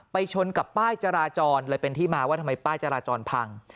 ชนกับป้ายจราจรเลยเป็นที่มาว่าทำไมป้ายจราจรพัง